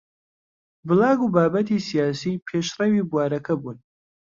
بڵاگ و بابەتی سیاسی پێشڕەوی بوارەکە بوون